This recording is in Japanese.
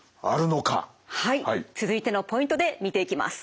はい続いてのポイントで見ていきます。